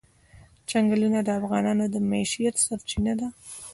چنګلونه د افغانانو د معیشت سرچینه ده.